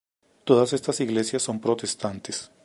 Todas estas iglesias son protestantes.